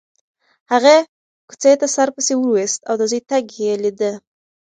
هغې کوڅې ته سر پسې وروایست او د زوی تګ یې لیده.